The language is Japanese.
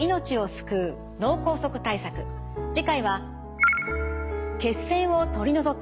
次回は血栓を取り除く！